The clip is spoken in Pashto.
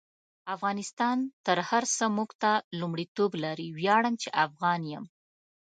افغانستان تر هر سه مونږ ته لمړیتوب لري: ویاړم چی افغان يم